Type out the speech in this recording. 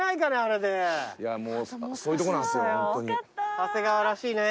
長谷川らしいね。